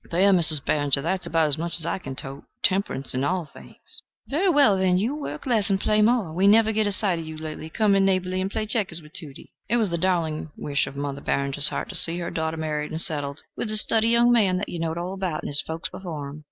"There, Mizzes Barringer! there's about as much as I can tote. Temperance in all things." "Very well, then, you work less and play more. We never get a sight of you lately. Come in neighborly and play checkers with Tudie." It was the darling wish of Mother Barringer's heart to see her daughter married and settled with "a stiddy young man that you knowed all about, and his folks before him."